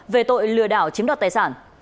về tội lừa đảo chiếm đọt tài sản